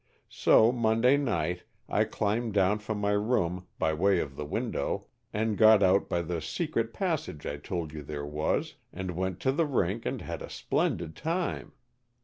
So Monday night I climbed down from my room by way of the window, and got out by the Secret Passage I told you there was, and went to the rink and had a splendid time.